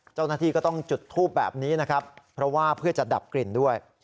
เจ้าหน้าที่ก็ต้องจุดทูบแบบนี้นะครับเพราะว่าเพื่อจะดับกลิ่นด้วย